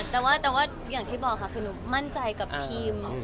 แต่ว่าอย่างที่บอกค่ะคือหนูมั่นใจกับทีม